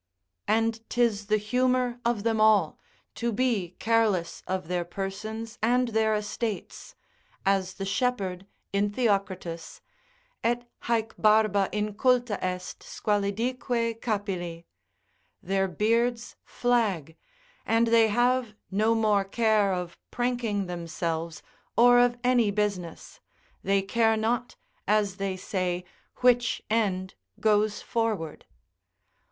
——— And 'tis the humour of them all, to be careless of their persons and their estates, as the shepherd in Theocritus, et haec barba inculta est, squalidique capilli, their beards flag, and they have no more care of pranking themselves or of any business, they care not, as they say, which end goes forward.